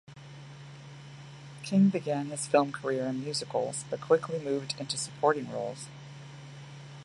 King began his film career in musicals but quickly moved into supporting roles.